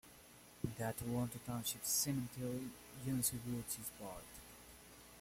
In the Toronto Township Cemetery, John C. Woods is buried.